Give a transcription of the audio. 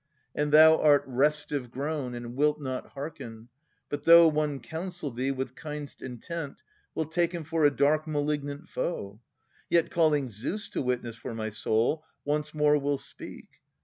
And thou art restive grown, and wilt not hearken, But though one counsel thee with kind'st intent. Wilt take him for a dark malignant foe. Yet, calling Zeus to witness for my soul. Once more will speak.